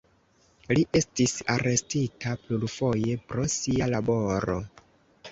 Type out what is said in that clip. Li estis arestita plurfoje pro sia laboro.